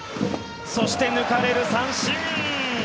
そして抜かれる、三振！